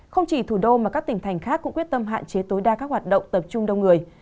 không chỉ thủ đô mà các tỉnh thành khác cũng quyết tâm hạn chế tối đa các hoạt động tập trung đông người